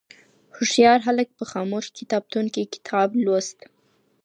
هوښيار هلک په خاموش کتابتون کي کتاب لوست.